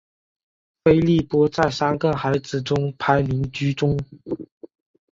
菲利波在三个孩子中排行居中。